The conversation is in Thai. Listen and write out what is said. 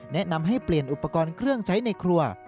แนะนำให้เปลี่ยนอุปกรณ์เครื่องใช้ในครัว